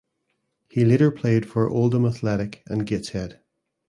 He later played for Oldham Athletic and Gateshead.